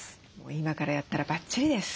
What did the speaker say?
今からやったらバッチリです。